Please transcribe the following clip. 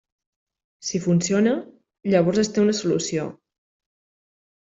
Si funciona, llavors es té una solució.